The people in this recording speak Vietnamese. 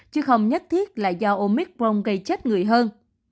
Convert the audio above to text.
chứ không nhất thiết là do omicron gây chết người hơn